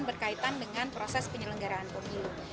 berkaitan dengan proses penyelenggaraan pemilu